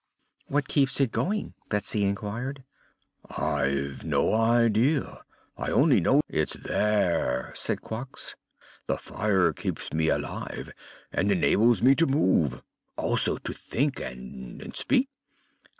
"What keeps it going?" Betsy inquired. "I've no idea. I only know it's there," said Quox. "The fire keeps me alive and enables me to move; also to think and speak."